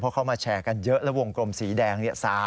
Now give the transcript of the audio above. เพราะเขามาแชร์กันเยอะแล้ววงกลมสีแดง